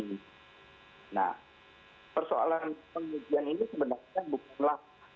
nah persoalan pengujian ini sebenarnya bukanlah